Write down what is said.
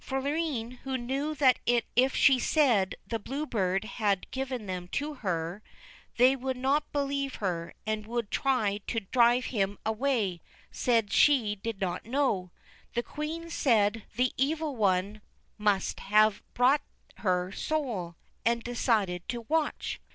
Florine, who knew that if she said the Blue Bird had given them to her, they would not believe her, and would try to drive M 89 THE BLUE BIRD him away, said she did not know. The Queen said the Evil One must have bought her soul, and decided to watch.